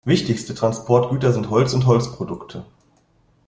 Wichtigste Transportgüter sind Holz und Holzprodukte.